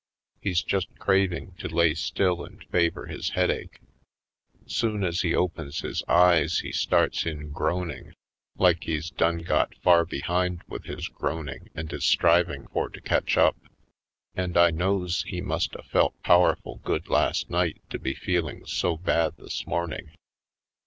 He's just craving to lay still and favor his headache. Soon as he opens his eyes he starts in groaning like he's done got far be hind with his groaning and is striving for to catch up. And I knows he must a felt powerful good last night to be feeling so bad this morning.